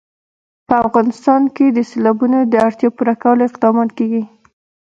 په افغانستان کې د سیلابونو د اړتیاوو پوره کولو اقدامات کېږي.